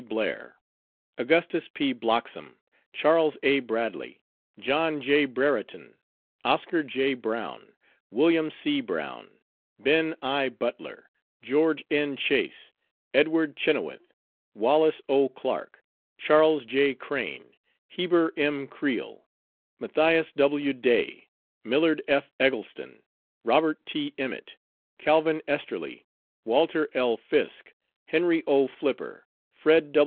Blair, Augustus P. Blocksom, Charles A. Bradley, John J. Brereton, Oscar J. Brown, William C. Brown, Ben. I. Butler, George N. Chase, Edward Chynoweth, Wallis O. Clark, Charles J. Crane, Heber M. Creel, Matthias W. Day, Millard F. Eggleston, Robert T. Emmet, Calvin Esterly, Walter L. Fisk, Henry O. Flipper, Fred.